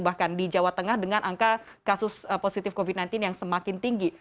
bahkan di jawa tengah dengan angka kasus positif covid sembilan belas yang semakin tinggi